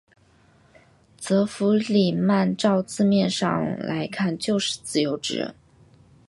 则弗里曼照字面上来看就是自由之人。